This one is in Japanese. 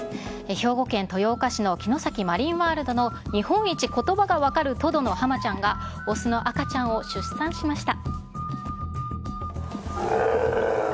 兵庫県豊岡市の城崎マリンワールドの日本一ことばが分かるトドのハマちゃんが、雄の赤ちゃんを出産しました。